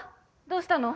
どうしたの！？